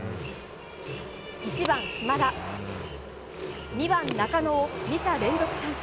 １番、島田２番、中野を２者連続三振。